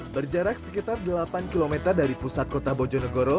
berjarak sekitar delapan km dari pusat kota bojonegoro